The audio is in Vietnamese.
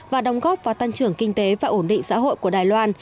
và đóng góp vào tăng trưởng kinh tế và ổn định xã hội của đài loan